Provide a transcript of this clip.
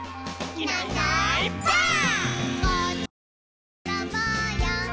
「いないいないばあっ！」